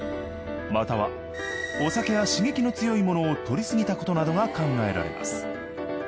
またはお酒や刺激の強いものを摂り過ぎたことなどが考えられます。